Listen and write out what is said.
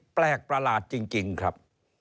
แปลกประหลาดจริงครับ